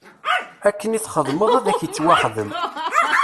Akken i txedmeḍ ad ak-ittwaxdem.